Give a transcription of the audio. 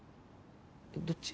どっち？